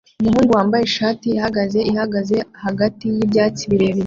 Umuhungu wambaye ishati ihagaze ihagaze hagati yibyatsi birebire